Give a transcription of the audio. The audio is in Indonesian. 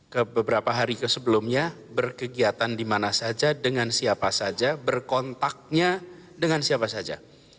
ke beberapa hari ke sebelumnya berkegiatan di mana saja dengan siapa saja berkontaknya dengan siapa saja